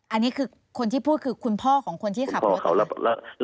อันนี้คือคนที่พูดคือคุณพ่อของคนที่ขับรถแล้ว